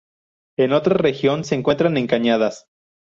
En otra región se encuentra en cañadas.